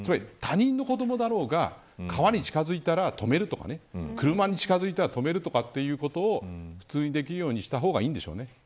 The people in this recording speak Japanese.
つまり他人の子どもだろうが川に近づいたら止めるとか車に近づいたら止めるということを普通にできるようにした方がいいんでしょうね。